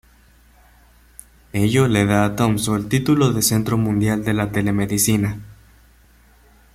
Ello le da a Tromsø el título de Centro Mundial de la Telemedicina.